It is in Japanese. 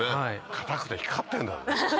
硬くて光ってんだぜ。